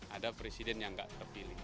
ada presiden yang gak terpilih